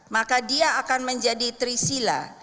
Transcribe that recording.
maka dia akan menjadi trisila